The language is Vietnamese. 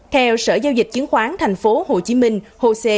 theo sở giao dịch chứng khoán thành phố hồ chí minh